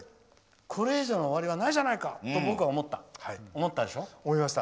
これ以上の終わりはないじゃないかと思いました。